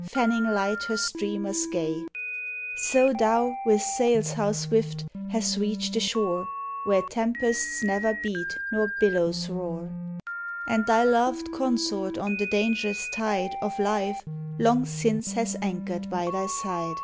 fanning light her streamers gay, — So thou, with sails how swift! hast reached the shore '* Where tempests never beat nor billows roar,'' And thy loved consort on the dangerous tide Of life long since has anchored by thy side.